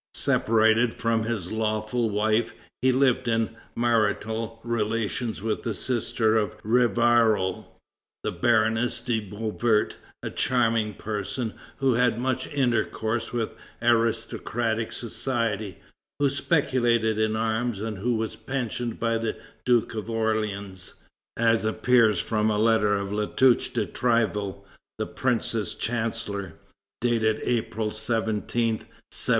Separated from his lawful wife, he lived in marital relations with a sister of Rivarol, the Baroness de Beauvert, a charming person who had much intercourse with aristocratic society, who speculated in arms, and who was pensioned by the Duke of Orleans, as appears from a letter of Latouche de Tréville, the prince's chancellor, dated April 17, 1789.